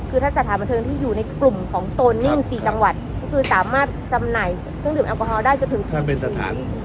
คือถ้าสถานบริการที่อยู่ในกลุ่มของโซน๔จังหวัดคือสามารถจำหน่ายทุ่งดื่มแอลกอฮอล์ได้ถึงตี๔